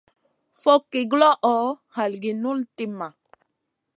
Fogki guloʼo, halgi guʼ nul timma.